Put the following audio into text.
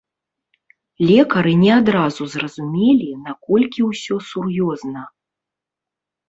Лекары не адразу зразумелі, наколькі ўсё сур'ёзна.